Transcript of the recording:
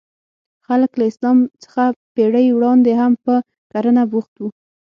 خلک له اسلام څخه پېړۍ وړاندې هم په کرنه بوخت وو.